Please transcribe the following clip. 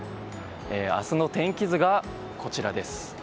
明日の天気図がこちらです。